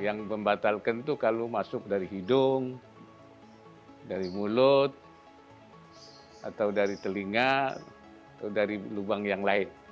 yang membatalkan itu kalau masuk dari hidung dari mulut atau dari telinga atau dari lubang yang lain